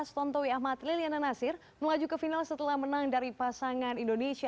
tontowi ahmad liliana nasir melaju ke final setelah menang dari pasangan indonesia